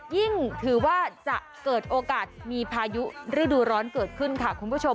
ถือว่าจะเกิดโอกาสมีพายุฤดูร้อนเกิดขึ้นค่ะคุณผู้ชม